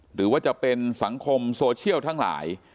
หรือว่าจะเป็นสังคมโซเชียลทั้งหลาย